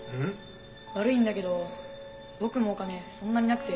悪いんだけど僕もお金そんなになくて。